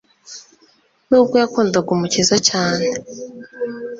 N'ubwo yakundaga Umukiza cyane,